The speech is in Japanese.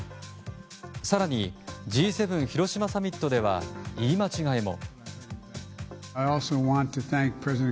更に、Ｇ７広島サミットでは言い間違いも。